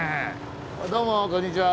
どうもこんにちは。